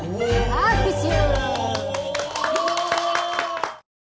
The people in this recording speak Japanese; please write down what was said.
拍手。